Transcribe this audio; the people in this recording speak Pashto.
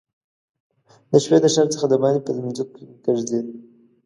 د شپې د ښار څخه دباندي په مځکو کې ګرځېد.